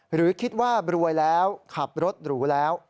หรือคิดว่ารวยแล้วขับรถหรูแล้ว